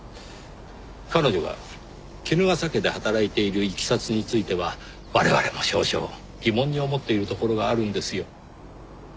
彼女が衣笠家で働いているいきさつについては我々も少々疑問に思っているところがあるんですよ。